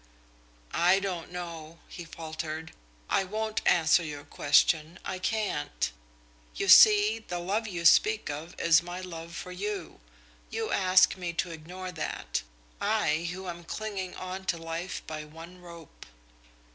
"I don't know," he faltered. "I won't answer your question. I can't. You see, the love you speak of is my love for you. You ask me to ignore that I, who am clinging on to life by one rope."